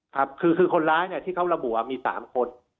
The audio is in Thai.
ครับคือคนร้ายที่เขาระบุมี๓คน